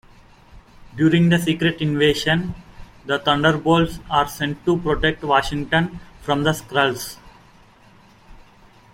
During the Secret Invasion, the Thunderbolts are sent to protect Washington from the Skrulls.